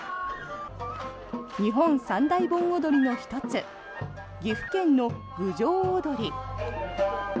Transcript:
日本三大盆踊りの１つ岐阜県の郡上おどり。